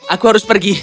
aku harus pergi